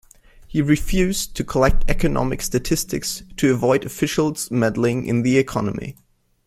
He refused to collect economic statistics to avoid officials meddling in the economy.